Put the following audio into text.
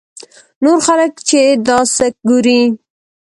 نور خلک چې دا سکه ګوري.